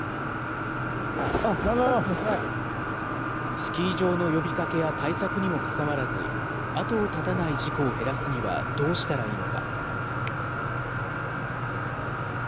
スキー場の呼びかけや対策にもかかわらず、後を絶たない事故を減らすにはどうしたらいいのか。